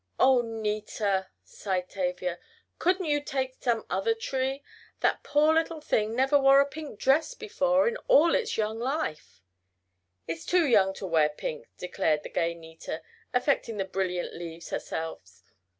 "Oh, Nita," sighed Tavia, "couldn't you take some other tree? That poor little thing never wore a pink dress before in all its young life!" "Too young to wear pink," declared the gay Nita, affecting the brilliant leaves herself.